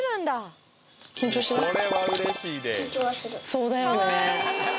そうだよね